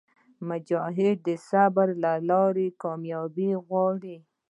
مجاهد د صبر له لارې کاميابي غواړي.